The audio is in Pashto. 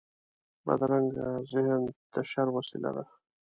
بدرنګه ذهن د شر وسيله ده